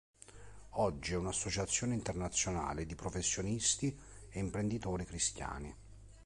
Oggi è un'associazione internazionale di professionisti e imprenditori cristiani.